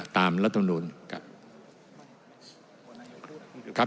ตามลูกฐานนู้นครับ